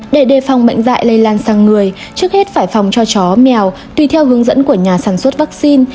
để đề phòng bệnh dạy lây lan sang người trước hết phải phòng cho chó mèo tùy theo hướng dẫn của nhà sản xuất vaccine